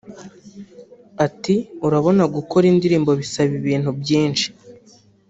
Ati” Urabona gukora indirimbo bisaba ibintu byinshi